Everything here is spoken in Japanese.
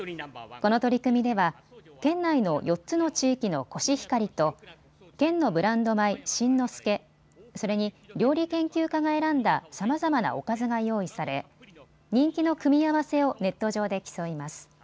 この取り組みでは県内の４つの地域のコシヒカリと県のブランド米、新之助、それに料理研究家が選んださまざまなおかずが用意され人気の組み合わせをネット上で競います。